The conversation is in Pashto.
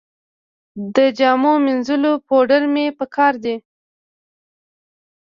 د جامو مینځلو پوډر مې په کار دي